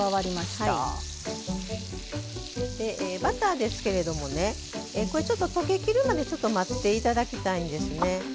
バターですけれどもこれ、ちょっと溶けきるまで待っていただきたいんですね。